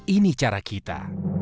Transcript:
ini cara kita